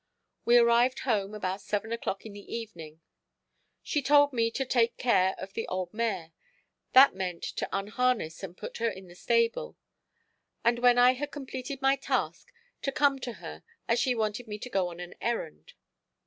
We arrived home about seven o'clock in the evening. She told me to "take care of the old mare"; that meant to unharness and put her in the stable, and when I had completed my task to "come to her, as she wanted me to go on an errand."